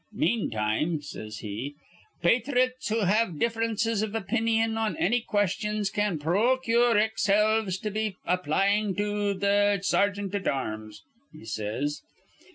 'Meantime,' says he, 'pathrites who have differences iv opinyon on anny questions can pro cure ex helves be applyin' to th' sergeant at arms,' he says.